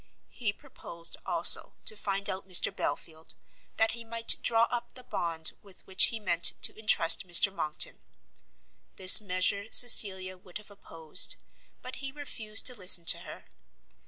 He purposed, also, to find out Mr Belfield; that he might draw up the bond with which he meant to entrust Mr Monckton. This measure Cecilia would have opposed, but he refused to listen to her.